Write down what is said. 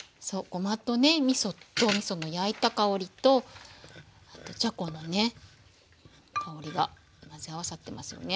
ごまとねみその焼いた香りとあとじゃこのね香りが混ぜ合わさってますよね。